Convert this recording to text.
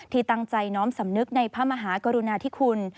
ที่ตั้งใจน้อมสำนึกในพระมหากรุณาธิคุณ